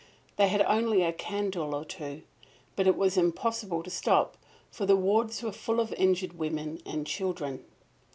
They had only a candle or two. But it was impossible to stop, for the wards were full of injured women and children.